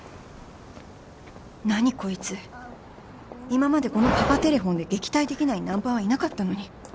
今までこのパパテレホンで撃退できないナンパはいなかったのに